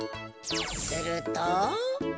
すると。